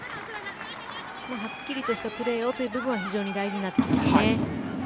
はっきりとしたプレーという部分は非常に大事になってきますね。